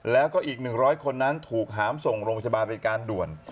แล้วก็อีก๑๐๐คนนั้นถูกหามส่งโรงพยาบาลเป็นการด่วน